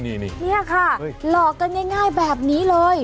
นี่ค่ะหลอกกันง่ายแบบนี้เลย